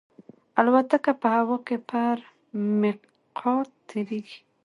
الوتکه په هوا کې پر میقات تېرېږي.